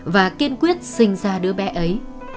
và kiên quyết sinh ra đứa bé ấy